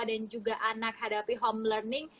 dan juga anak hadapi home learning